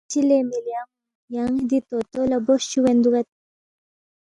چِہ لے مِلی ان٘و یان٘ی دی طوطو لہ بوس چُوگین دُوگید